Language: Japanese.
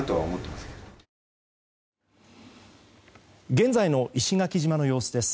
現在の石垣島の様子です。